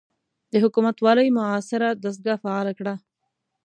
د حکومتوالۍ معاصره دستګاه فعاله کړه.